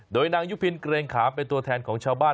โดยนางยุพินเกรงขามเป็นตัวแทนของชาวบ้าน